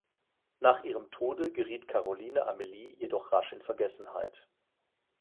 Nach ihrem Tode geriet Karoline Amalie jedoch rasch in Vergessenheit.